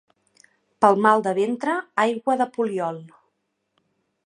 Pel mal de ventre, aigua de poliol.